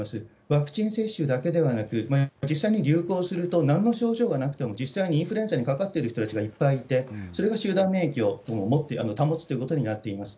ワクチン接種だけではなく、実際に流行すると、なんの症状がなくても、実際にインフルエンザにかかってる人たちがいっぱいいて、それが集団免疫を持って、保つということになっています。